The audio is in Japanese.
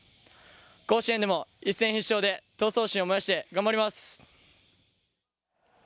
甲子園でも一戦必勝で闘争心を燃やして頑張ります。